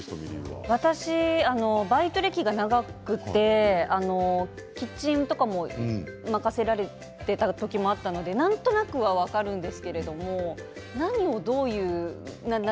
私はバイト歴が長くてキッチンとかも任せられていた時もあったのでなんとなくは分かるんですけど何をどういう。